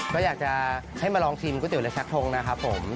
ก็อยากจะให้มาลองชิมก๋วยเตี๋ยวเรือชักทงนะครับผม